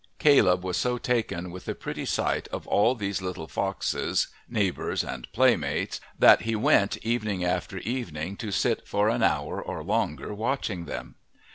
Caleb was so taken with the pretty sight of all these little foxes, neighbours and playmates, that he went evening after evening to sit for an hour or longer watching them.